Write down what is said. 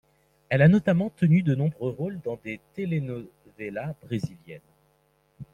Elle a notamment tenu de nombreux rôles dans des telenovelas brésiliennes.